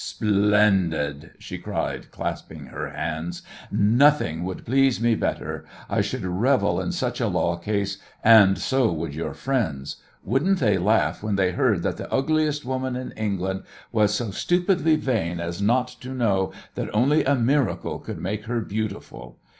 "Splendid," she cried, clapping her hands. "Nothing would please me better. I should revel in such a law case, and so would your friends. Wouldn't they laugh when they heard that the ugliest woman in England was so stupidly vain as not to know that only a miracle could make her beautiful!